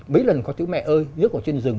mấy lần có tiếng mẹ ơi nhất là ở trên rừng